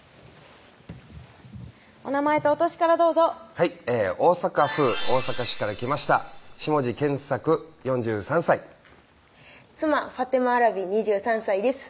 お名前とお歳からどうぞはい大阪府大阪市から来ました下地健作４３歳妻・ファテマ亜羅美２３歳です